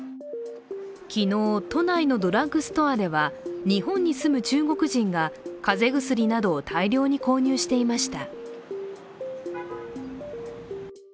昨日、都内のドラッグストアでは日本に住む中国人が風邪薬などを大量に購入していました。